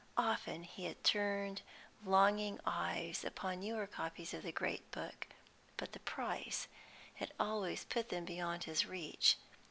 Often he had turned longing eyes upon newer copies of the great book, but the price had always put them beyond his reach.